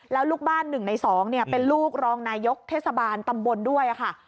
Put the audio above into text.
แล้วลูกบ้านหนึ่งในสองเนี่ยเป็นลูกรองนายกเทศบาลตำบลด้วยค่ะ